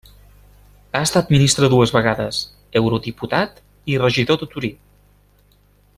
Ha estat ministre dues vegades, eurodiputat i regidor de Torí.